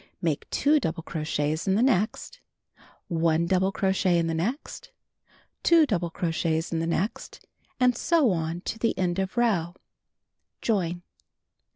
Make 2 double crochets in the next; 1 double crochet in the next; 2 double crochets in the next; and so on to the end of row. Join.